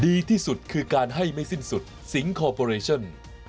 ดีที่สุดคือการให้ไม่สิ้นสุดสิงคอร์ปอเรชั่น